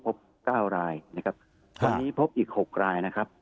พบเก้ารายนะครับวันนี้พบอีก๖รายนะครับ